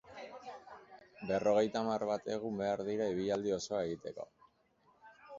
Berrogeita hamar bat egun behar dira ibilaldi osoa egiteko.